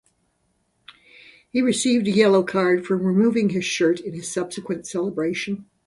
He received a yellow card for removing his shirt in his subsequent celebration.